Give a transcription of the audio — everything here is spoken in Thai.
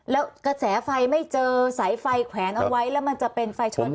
แล้วกระแสไฟไม่เจอสายไฟแขวนเอาไว้แล้วมันจะเป็นไฟชน